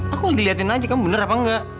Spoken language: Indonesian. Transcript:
aku diliatin aja kamu bener apa enggak